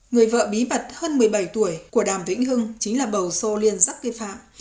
người vợ bí mật hơn một mươi bảy tuổi của đàm vĩnh hưng chính là bầu sô liên dắt vi phạm